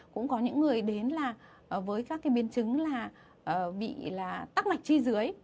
cũng có những người đến với các biến chứng là bị tắc mạch chi dưới